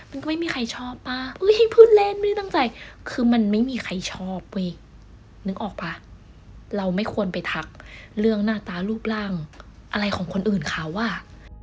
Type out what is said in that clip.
ออกป่ะเราไม่ควรไปทักเรื่องหน้าตารูปร่างอะไรของคนอื่นค่ะว่า